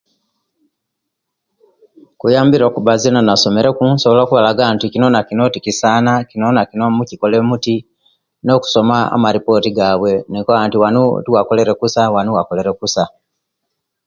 Kunyambire kuba nzena nasomereku nsobola kubalaga kinu nakinu tikisana kinu nakinu mucikole multi, nokusoma amalipooti gaawe ninkoba nti wanu, tiwakolere kusa, wanu wakolere kusa.